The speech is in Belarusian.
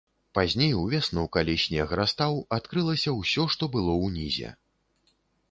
Пазней, увесну, калі снег растаў, адкрылася ўсё, што было ўнізе.